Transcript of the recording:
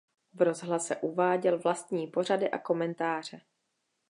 V rozhlase uváděl vlastní pořady a komentáře.